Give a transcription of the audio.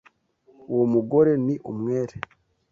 Uwo mugore ni umwere.